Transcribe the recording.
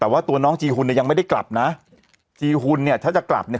แต่ว่าตัวน้องจีหุ่นเนี่ยยังไม่ได้กลับนะจีหุ่นเนี่ยถ้าจะกลับเนี่ย